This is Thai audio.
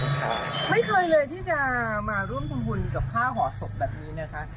ครับไม่เคยเลยที่จะมาร่วมทำบุญกับผ้าห่อศพแบบนี้นะคะ